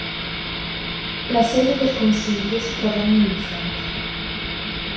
La sede del consiglio si trova a Millicent.